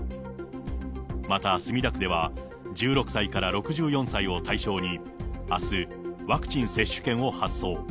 また墨田区では、１６歳から６４歳を対象に、あす、ワクチン接種券を発送。